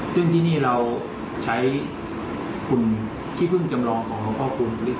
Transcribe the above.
ซึ่งที่นี่เราใช้หุ่นขี้พึ่งจำลองของหลวงพ่อคูณฤท